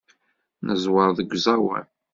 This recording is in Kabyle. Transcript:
Neẓwer deg uẓawan.